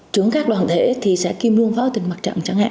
trưởng các đoàn thể thì sẽ kim luôn phó tịch mặt trận chẳng hạn